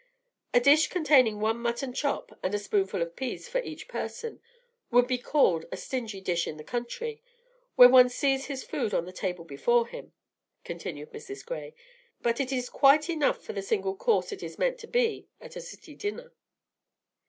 "A dish containing one mutton chop and a spoonful of peas for each person would be called a stingy dish in the country, where every one sees his food on the table before him," continued Mrs. Gray; "but it is quite enough for the single course it is meant to be at a city dinner.